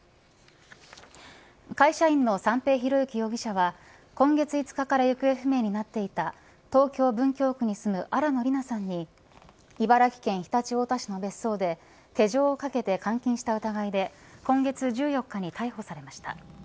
会社員の三瓶博幸容疑者は今月５日から行方不明になっていた東京、文京区に住む新野りなさんに茨城県常陸太田市の別荘で手錠をかけて監禁した疑いで今月１４日に逮捕されました。